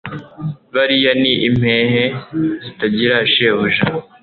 Bariya ni impehe zitagira shebuja